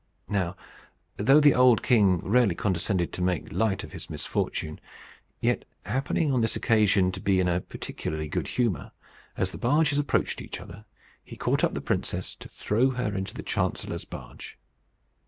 Now though the old king rarely condescended to make light of his misfortune, yet, happening on this occasion to be in a particularly good humour, as the barges approached each other, he caught up the princess to throw her into the chancellor's barge.